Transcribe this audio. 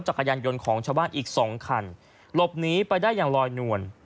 จักรยานยนต์ของชาวบ้านอีกสองคันหลบหนีไปได้อย่างลอยนวล